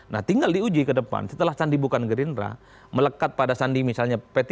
nah tinggal diuji ke depan setelah sandi bukan gerindra melekat pada sandi misalnya p tiga